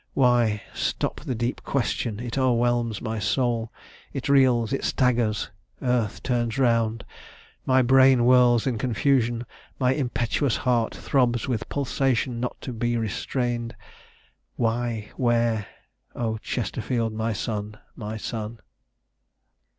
Why stop the deep question; it o'erwhelms my soul; It reels, it staggers! Earth turns round! My brain Whirls in confusion! My impetuous heart Throbs with pulsation not to be restrain'd; Why? Where? O Chesterfield, my son, my son!"